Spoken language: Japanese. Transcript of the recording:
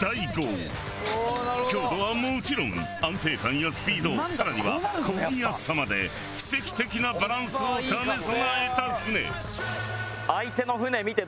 強度はもちろん安定感やスピードさらには漕ぎやすさまで奇跡的なバランスを兼ね備えた舟。